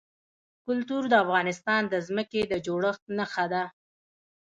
کلتور د افغانستان د ځمکې د جوړښت نښه ده.